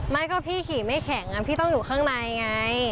ไม่ก็พี่ขี่ไม่แข็งพี่ต้องอยู่ข้างในไง